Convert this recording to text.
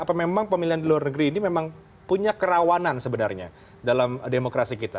apa memang pemilihan di luar negeri ini memang punya kerawanan sebenarnya dalam demokrasi kita